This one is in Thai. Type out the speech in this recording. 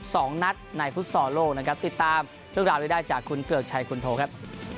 สองนัดในฟุตซอลโลกนะครับติดตามเรื่องราวนี้ได้จากคุณเกลือกชัยคุณโทครับ